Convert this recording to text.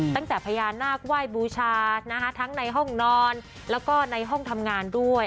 ตั้งแต่พญานาคไหว้บูชานะคะทั้งในห้องนอนแล้วก็ในห้องทำงานด้วย